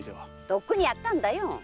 とっくにやったんだよ！